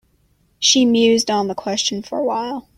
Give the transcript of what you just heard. She mused on the question for a while.